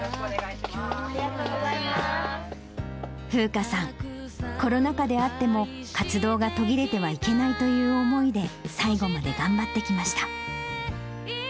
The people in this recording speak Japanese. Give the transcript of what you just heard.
楓佳さん、コロナ禍であっても、活動が途切れてはいけないという思いで、最後まで頑張ってきました。